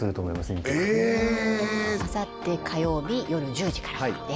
見ててあさって火曜日夜１０時からです